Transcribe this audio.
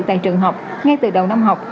tại trường học ngay từ đầu năm học